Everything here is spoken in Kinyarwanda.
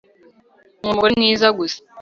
nkunda umugore mwiza gusa